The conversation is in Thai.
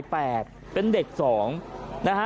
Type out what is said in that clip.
โอ้โหพังเรียบเป็นหน้ากล่องเลยนะครับ